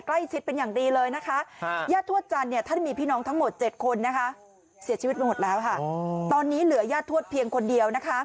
อ่ะเดี๋ยวนี้ท่านยังเดินตรงปลี๊ะเลย